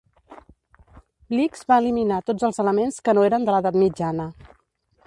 Blix va eliminar tots els elements que no eren de l'Edat Mitjana.